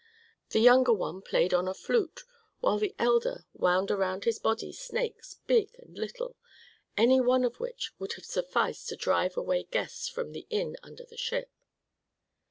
The younger one played on a flute, while the elder wound around his body snakes big and little, any one of which would have sufficed to drive away guests from the inn "Under the Ship."